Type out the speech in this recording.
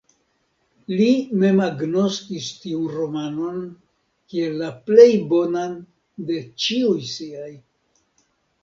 Li mem agnoskis tiun romanon kiel la plej bonan de ĉiuj siaj.